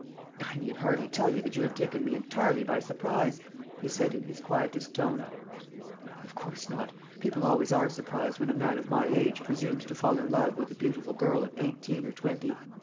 "I need hardly tell you that you have taken me entirely by surprise," he said in his quietest tone. "Of course not. People always are surprised when a man of my age presumes to fall in love with a beautiful girl of eighteen or twenty.